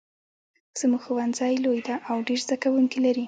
زمونږ ښوونځی لوی ده او ډېر زده کوونکي لري